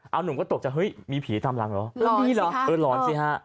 เอาหนุ่มก็ตกจากมีผีตามหลังเหรอร้อนสิฮะ